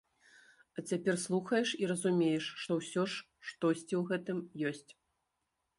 А цяпер слухаеш і разумееш, што ўсё ж штосьці ў гэтым ёсць.